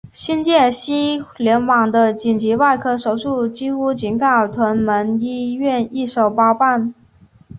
新界西联网的紧急外科手术几乎仅靠屯门医院一手包办。